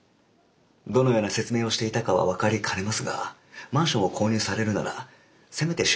どのような説明をしていたかは分かりかねますがマンションを購入されるならせめて周辺環境管理状況